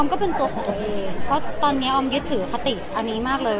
ก็เป็นตัวของตัวเองเพราะตอนนี้ออมยึดถือคติอันนี้มากเลย